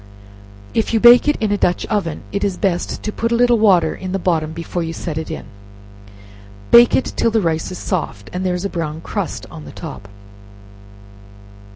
If you bake it in a dutch oven, it is best to put a little water in the bottom before you set it in; bake it till the rice is soft, and there is a brown crust on the top.